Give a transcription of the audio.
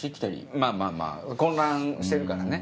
まぁまぁまぁ混乱してるからね。